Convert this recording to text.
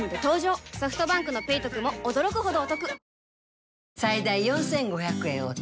ソフトバンクの「ペイトク」も驚くほどおトク